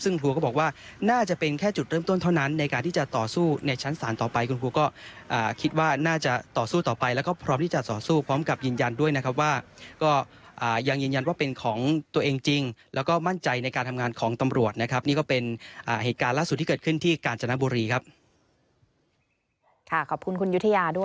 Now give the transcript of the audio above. ซึ่งครูก็บอกว่าน่าจะเป็นแค่จุดเริ่มต้นเท่านั้นในการที่จะต่อสู้ในชั้นศาลต่อไปคุณครูก็คิดว่าน่าจะต่อสู้ต่อไปแล้วก็พร้อมที่จะต่อสู้พร้อมกับยืนยันด้วยนะครับว่าก็ยังยืนยันว่าเป็นของตัวเองจริงแล้วก็มั่นใจในการทำงานของตำรวจนะครับนี่ก็เป็นเหตุการณ์ล่าสุดที่เกิดขึ้นที่กาญจนบุรีครับ